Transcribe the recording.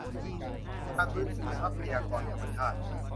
การฟื้นฟูทรัพยากรธรรมชาติ